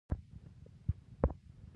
چارسو ته ولاړم.